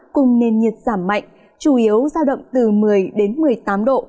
cùng nền nhiệt giảm mạnh chủ yếu giao động từ một mươi đến một mươi tám độ